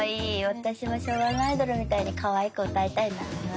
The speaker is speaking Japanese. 私も昭和のアイドルみたいにかわいく歌いたいな。